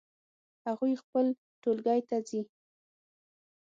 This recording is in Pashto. هغوی خپل ټولګی ته ځي